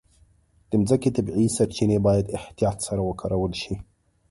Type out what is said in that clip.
د مځکې طبیعي سرچینې باید احتیاط سره وکارول شي.